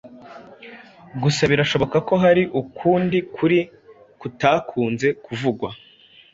gusa birashoboka ko hari ukundi kuri kutakunze kuvugwa.